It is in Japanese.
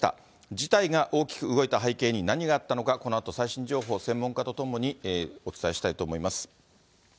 事態が大きく動いた背景に何があったのか、このあと最新情報を専門家と共にお伝えしたいと思います。